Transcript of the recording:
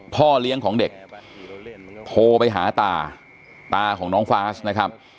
พ่อเลี้ยงของเด็กโทรไปหาตาตาของน้องฟาสนะครับ